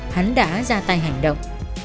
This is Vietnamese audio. hắn đã ra tay hành động